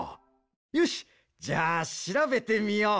よしじゃあしらべてみよう。